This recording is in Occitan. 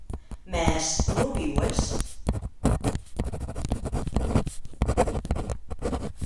Mès non viues?